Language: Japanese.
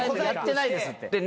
やってないですって。